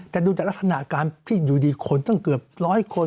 แต่ดูจากลักษณะการที่อยู่ดีคนตั้งเกือบร้อยคน